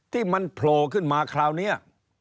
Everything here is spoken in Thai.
ที่มันโผล่ขึ้นมาคราวนี้